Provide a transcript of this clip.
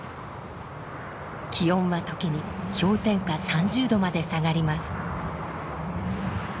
気温は時に氷点下３０度まで下がります。